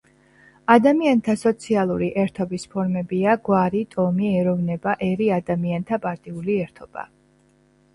ადამიანთა სოციალური ერთობის ფორმებია გვარი, ტომი, ეროვნება, ერი, ადამიანთა პარტიული ერთობა.